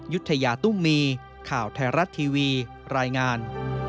ยุธยาตุ้มมีข่าวไทยรัฐทีวีรายงาน